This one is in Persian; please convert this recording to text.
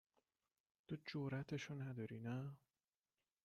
تو جراتش رو نداری، نه